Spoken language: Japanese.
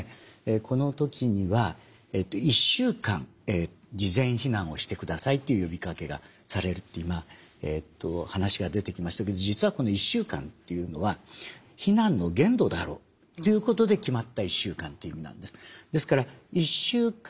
この時には１週間事前避難をしてくださいという呼びかけがされるという話が出てきましたけど実はこの１週間というのは避難の限度だろうということで決まった１週間という意味なんです。